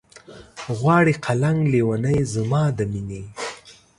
غواړي قلنګ لېونے زما د مينې